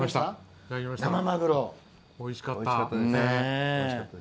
おいしかった。